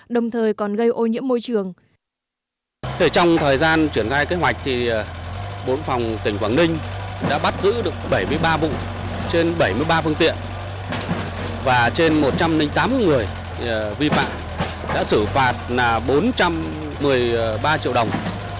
đồng thời còn gây ô nhiễm môi trường